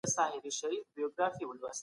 ایا ببرک میاخیل د طبیعي علومو ساحه پراخه ګڼي؟